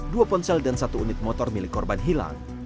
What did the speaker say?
dua ponsel dan satu unit motor milik korban hilang